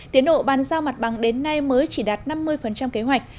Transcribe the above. tiến độ bàn giao mặt bằng đến nay mới chỉ đạt năm mươi kế hoạch